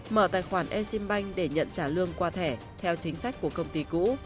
mở tài khoản exim bank để nhận trả lương qua thẻ theo chính sách của công ty cũ